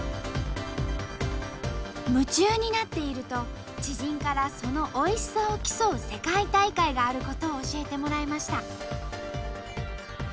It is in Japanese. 夢中になっていると知人からそのおいしさを競う世界大会があることを教えてもらいました。